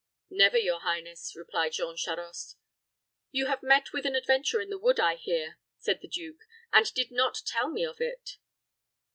"Never, your highness," replied Jean Charost. "You have met with an adventure in the wood, I hear," said the duke, "and did not tell me of it."